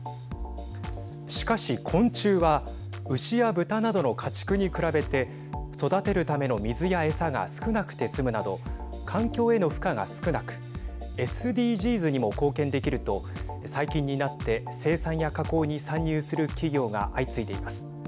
しかし、昆虫は牛や豚などの家畜に比べて育てるための水や餌が少なくて済むなど環境への負荷が少なくＳＤＧｓにも貢献できると最近になって生産や加工に参入する企業が相次いでいます。